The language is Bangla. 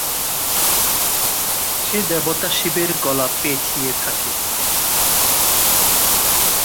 সে দেবতা শিবের গলা পেঁচিয়ে থাকে।